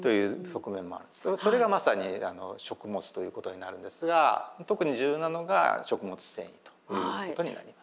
それがまさに食物ということになるんですが特に重要なのが食物繊維ということになります。